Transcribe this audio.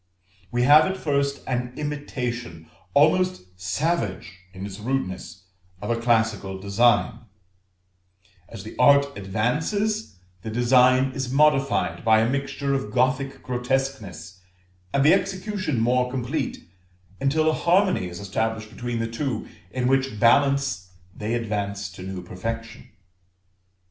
We have at first an imitation, almost savage in its rudeness, of a classical design; as the art advances, the design is modified by a mixture of Gothic grotesqueness, and the execution more complete, until a harmony is established between the two, in which balance they advance to new perfection.